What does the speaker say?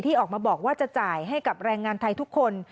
ออกมาบอกว่าจะจ่ายให้กับแรงงานไทยทุกคน